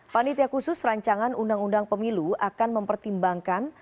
panitia khusus rancangan undang undang pemilu akan mempertimbangkan